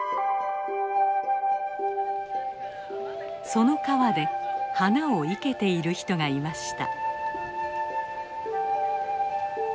その川で花を生けている人がいました。